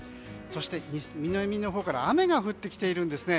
そして、南のほうから雨が降ってきているんですね。